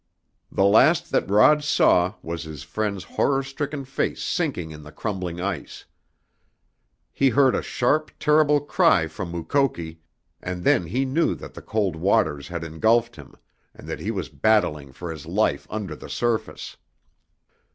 The last that Rod saw was his friend's horror stricken face sinking in the crumbling ice; he heard a sharp, terrible cry from Mukoki, and then he knew that the cold waters had engulfed him, and that he was battling for his life under the surface.